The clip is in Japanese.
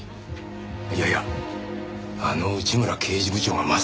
いやいやあの内村刑事部長がまさかな。